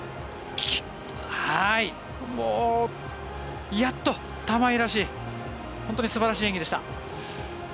もうやっと玉井らしい本当に素晴らしい演技でした。